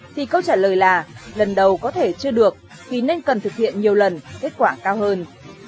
thì câu trả lời là lần đầu có thể chưa được thì nên cần thực hiện nhiều lần kết quả cao hơn